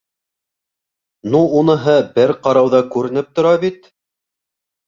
Ну, уныһы бер ҡарауҙа күренеп тора бит.